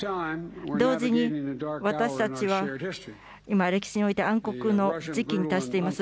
同時に、私たちは今、歴史において暗黒の時期に達しています。